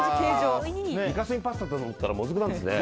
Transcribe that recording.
イカ墨パスタかと思ったらもずくなんですね。